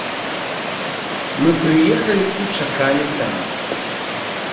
Мы прыехалі і чакалі там.